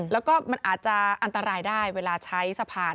แล้วก็มันอาจจะอันตรายได้เวลาใช้สะพาน